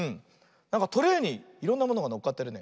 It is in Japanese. なんかトレーにいろんなものがのっかってるね。